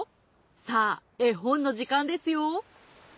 さぁ絵本の時間ですよ。